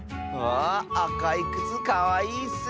ああかいくつかわいいッス！